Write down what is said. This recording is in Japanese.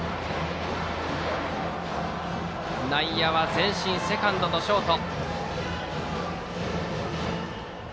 内野は前進、セカンドとショート。